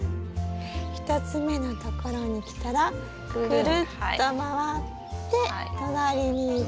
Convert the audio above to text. １つ目のところにきたらくるっと回って隣に行って。